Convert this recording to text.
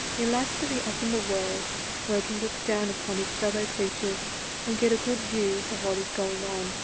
He likes to be up in the world, wnere he can look down upon his fellow creatures and get a good view of what is going on.